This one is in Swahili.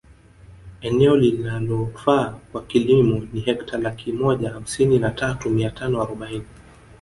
Eneo linalofaa kwa kilimo ni hekta laki moja hamsini na tatu mia tano arobaini